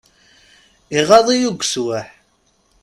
Iɣaḍ-iyi ugeswaḥ!